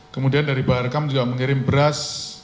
kemudian dari baharekam juga mengirim beras